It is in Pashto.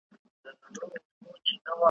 منطق، مبادی بلاغت، عروض